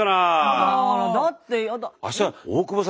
あらあらだってやだ。